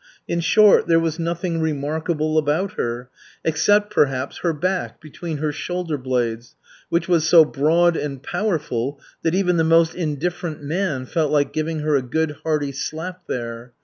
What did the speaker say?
In short there was nothing remarkable about her, except, perhaps, her back between her shoulder blades, which was so broad and powerful that even the most indifferent man felt like giving her a good, hearty slap there.